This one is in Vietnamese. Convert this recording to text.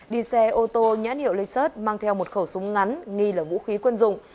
đi xe ô tô nhãn hiệu laysart mang theo một khẩu súng ngắn nghi là vũ khí quân dụng